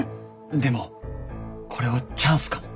でもこれはチャンスかも。